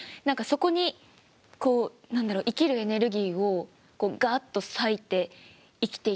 そこにこう何だろ生きるエネルギーをガッと割いて生きていきたい。